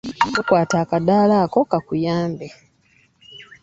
Weekwate akadagala ako kakuyambe.